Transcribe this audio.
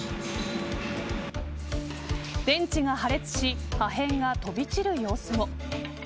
電池が破裂し破片が飛び散る様子も。